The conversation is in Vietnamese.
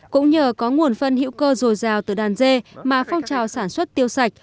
cũng nhờ có nguồn phân hữu cơ dồi dào từ đàn dê mà phong trào sản xuất tiêu sạch